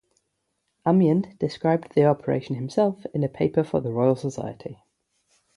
Amyand described the operation himself in a paper for the Royal Society.